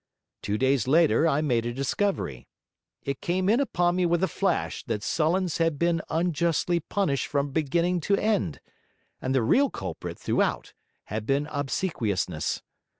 Two days later, I made a discovery; it came in upon me with a flash that Sullens had been unjustly punished from beginning to end, and the real culprit throughout had been Obsequiousness.